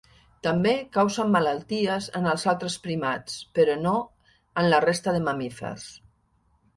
També causen malalties en els altres primats, però no en la resta de mamífers.